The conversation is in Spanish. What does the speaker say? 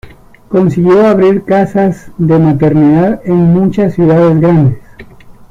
Consiguió abrir casas de maternidad en muchas ciudades grandes.